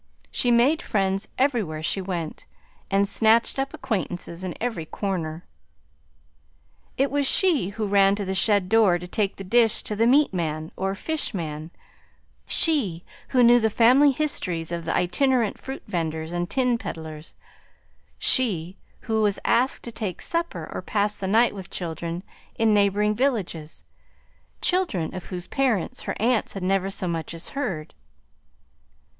She made friends everywhere she went, and snatched up acquaintances in every corner. It was she who ran to the shed door to take the dish to the "meat man" or "fish man;" she who knew the family histories of the itinerant fruit venders and tin peddlers; she who was asked to take supper or pass the night with children in neighboring villages children of whose parents her aunts had never so much as heard.